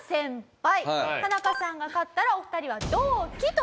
田中さんが勝ったらお二人は同期という事に。